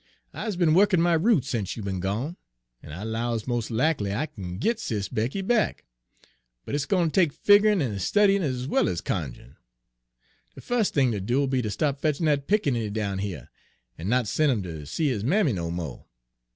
I's be'n wukkin' my roots sence you be'n gone, en I 'lows mos' lackly I kin git Sis' Becky back, but it's gwine take fig'rin' en studyin' ez well ez cunj'in'. De fus' thing ter do'll be ter stop fetchin' dat pickaninny down heah, en not sen' 'im ter see his mammy no mo'.